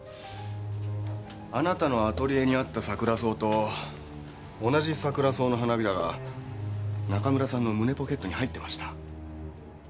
あなたのアトリエにあったサクラソウと同じサクラソウの花びらが中村さんの胸ポケットに入ってました。